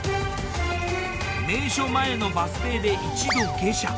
名所前のバス停で一度下車。